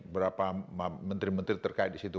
berapa menteri menteri terkait di situ